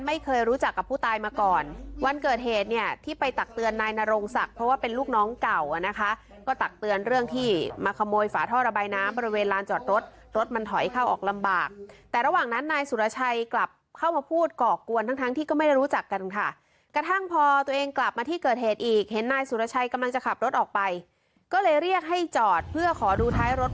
ไม่เคยรู้จักกับผู้ตายมาก่อนวันเกิดเหตุเนี่ยที่ไปตักเตือนนายนโรงศักดิ์เพราะว่าเป็นลูกน้องเก่าอ่ะนะคะก็ตักเตือนเรื่องที่มาขโมยฝาท่อระบายน้ำบริเวณลานจอดรถรถมันถอยเข้าออกลำบากแต่ระหว่างนั้นนายสุรชัยกลับเข้ามาพูดกรอกกวนทั้งทั้งที่ก็ไม่ได้รู้จักกันค่ะกระทั่งพอตัวเองกลับมาที่เกิด